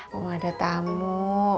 mau ada tamu